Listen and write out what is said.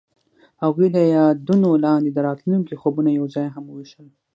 هغوی د یادونه لاندې د راتلونکي خوبونه یوځای هم وویشل.